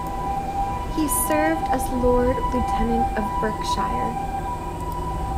He served as Lord Lieutenant of Berkshire.